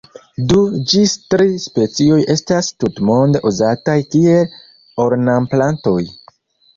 Du ĝis tri specioj estas tutmonde uzataj kiel ornamplantoj.